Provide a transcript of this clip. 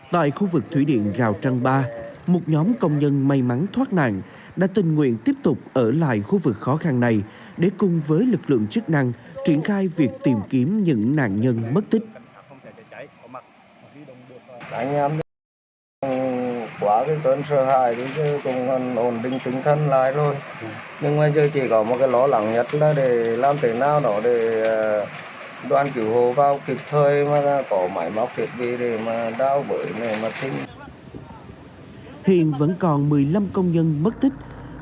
tại khu vực thủy điện rào trăng ba một nhóm công nhân may mắn thoát nạn đã tình nguyện tiếp tục ở lại khu vực khó khăn này để cùng với lực lượng chức năng triển khai việc tìm kiếm những nạn nhân mất tích